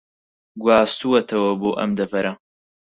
گواستووەتەوە بۆ ئەم دەڤەرە